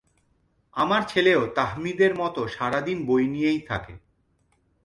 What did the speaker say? আমার ছেলেও তাহমিদের মতো সারাদিন বই নিয়েই থাকে।